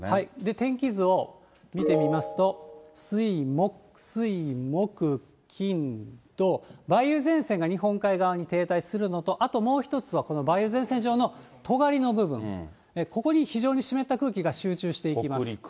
天気図を見てみますと、水、木、金、土、梅雨前線が日本海側に停滞するのと、あともう一つはこの梅雨前線上のとがりの部分、ここに非常に湿っ北陸。